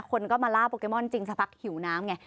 คนก็มาล่าโปเกมอนจริงสักพักหิวน้ำไง